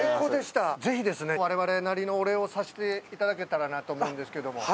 ぜひですね。をさせていただけたらなと思うんですけども。